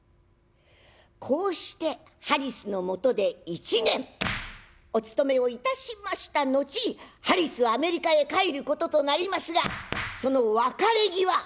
こうしてハリスのもとで１年お務めをいたしました後ハリスアメリカへ帰ることとなりますがその別れ際